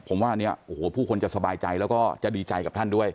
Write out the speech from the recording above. ผมว่าอันนี้โอ้โหผู้คนจะสบายใจแล้วก็จะดีใจกับท่านด้วย